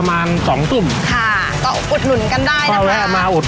มาก็เชิญแวะอยู่ที่